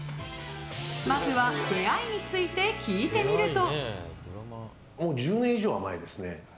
まずは、出会いについて聞いてみると。